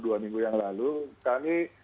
dua minggu yang lalu kami